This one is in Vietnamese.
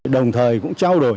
đồng thời cũng trao đổi